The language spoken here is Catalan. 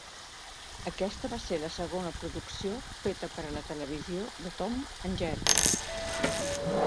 Aquesta va ser la segona producció feta per a la televisió de "Tom and Jerry".